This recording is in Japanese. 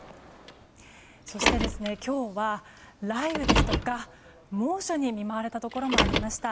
そして、今日は雷雨ですとか猛暑に見舞われたところもありました。